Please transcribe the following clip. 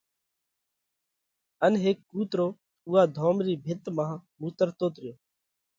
ان هيڪ ڪُوترو اُوئا ڌوم رِي ڀِت مانه مُوترتوت ريو۔